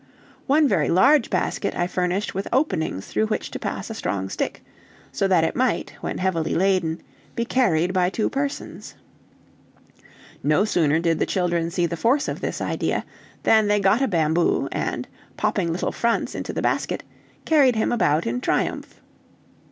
One very large basket I furnished with openings through which to pass a strong stick, so that it might, when heavily laden, be carried by two persons. No sooner did the children see the force of this idea, than they got a bamboo, and popping little Franz into the basket, carried him about in triumph.